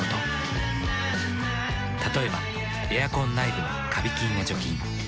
例えばエアコン内部のカビ菌を除菌。